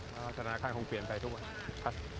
สถานการณ์คงเปลี่ยนไปทุกวัน